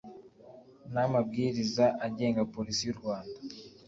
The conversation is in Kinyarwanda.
n amabwiriza agenga polisi y u rwanda